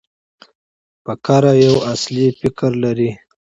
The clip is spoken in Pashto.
فقره یو اصلي فکر لري.